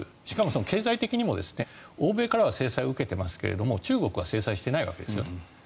しかも経済的にも欧米からは制裁を受けてますが中国は制裁してないんですよ。